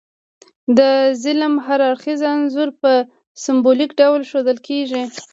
د ظلم هر اړخیز انځور په سمبولیک ډول ښودل کیږي.